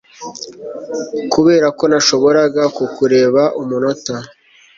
Kuberako nashoboraga kukureba umunota